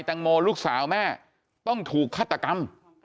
แตงโมลูกสาวแม่ต้องถูกฆาตกรรม